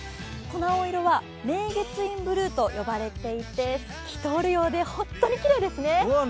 この青色は明月院ブルーと呼ばれていて、透き通るようで本当にきれいですね。